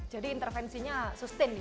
jadi intervensinya sustain nih